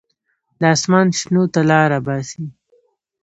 د اسمان شنو ته لاره باسي.